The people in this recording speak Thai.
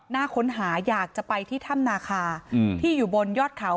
น่าค้นหาอยากจะไปที่ถ้ำนาคาที่อยู่บนยอดเขา